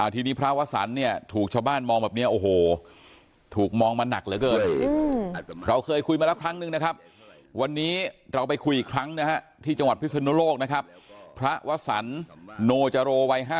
ทีนี้พระวัสรรค์เนี่ยถูกชาวบ้านมองแบบนี้โอ้โห